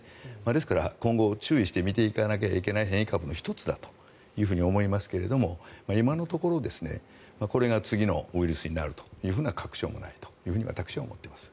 ですから、今後、注意して診ていかなきゃいけない変異株の１つだというふうに思いますけども今のところ、これが次のウイルスになるという確証もないと私は思っています。